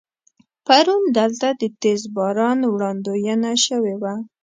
پرون دلته د تیز باران وړاندوينه شوې وه.